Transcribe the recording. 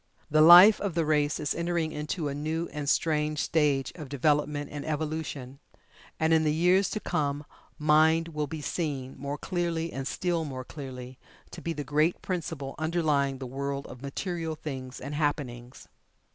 The life of the race is entering into a new and strange stage of development and evolution, and in the years to come MIND will be seen, more clearly and still more clearly, to be the great principle underlying the world of material things and happenings.